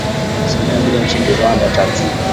asilimia mbili nchini Rwanda tatu